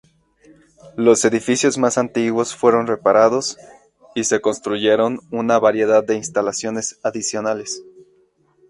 Los edificios más antiguos fueron reparados, y se construyeron una variedad de instalaciones adicionales.